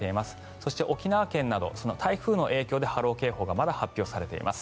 そして、沖縄県など台風の影響で波浪警報がまだ発表されています。